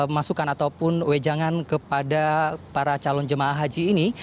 masukan ataupun wejangan kepada para calon jemaah haji ini